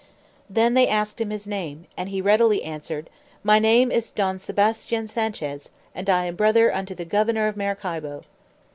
Then they asked him his name, and he readily answered, "My name is Don Sebastian Sanchez, and I am brother unto the governor of Maracaibo."